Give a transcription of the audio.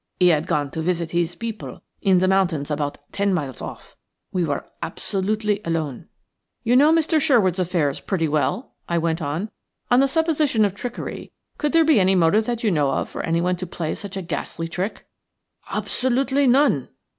He had gone to visit his people in the mountains about ten miles off. We were absolutely alone." "You know Mr. Sherwood's affairs pretty well?" I went on. "On the supposition of trickery, could there be any motive that you know of for anyone to play such a ghastly trick?" "Absolutely none."